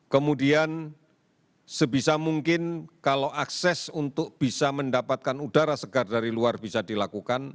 kemudian sebisa mungkin kalau akses untuk bisa mendapatkan udara segar dari luar bisa dilakukan